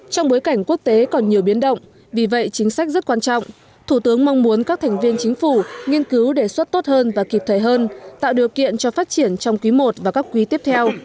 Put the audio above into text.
trong bối cảnh quốc tế còn nhiều biến động vì vậy chính sách rất quan trọng thủ tướng mong muốn các thành viên chính phủ nghiên cứu đề xuất tốt hơn và kịp thời hơn tạo điều kiện cho phát triển trong quý i và các quý tiếp theo